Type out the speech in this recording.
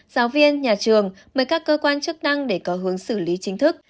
giáo viên nhà trường mời các cơ quan chức năng để có hướng xử lý chính thức